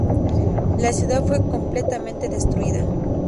La ciudad fue completamente destruida.